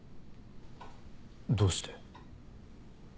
どうして？